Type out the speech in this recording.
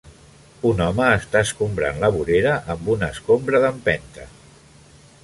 Un home està escombrant la vorera amb una escombra d'empenta.